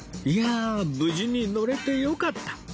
いや無事に乗れてよかった！